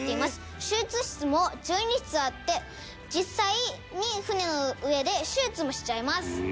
「手術室も１２室あって実際に船の上で手術もしちゃいます」